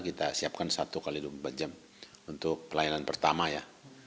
kita siapkan satu x dua puluh empat jam untuk pelayanan pertama ya